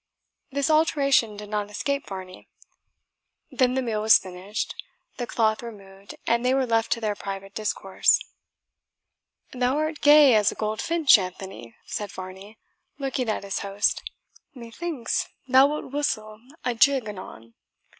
This alteration did not escape Varney. Then the meal was finished, the cloth removed, and they were left to their private discourse "Thou art gay as a goldfinch, Anthony," said Varney, looking at his host; "methinks, thou wilt whistle a jig anon.